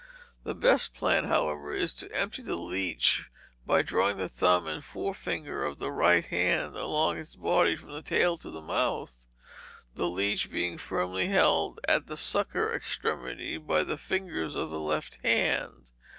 The best plan, however, is to empty the leech by drawing the thumb and forefinger of the right hand along its body from the tail to the mouth, the leech being firmly held at the sucker extremity by the fingers of the left hand.